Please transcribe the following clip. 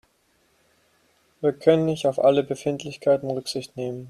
Wir können nicht auf alle Befindlichkeiten Rücksicht nehmen.